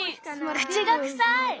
口がくさい！